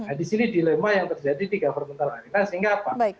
nah di sini dilema yang terjadi di governmental arena sehingga apa